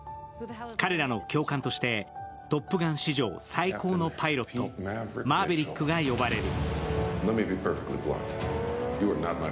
彼らの教官としてトップガン史上最高のパイロット、マーヴェリックが呼ばれる。